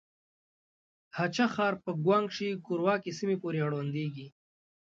هه چه ښار په ګوانګ شي کورواکې سيمې پورې اړونديږي.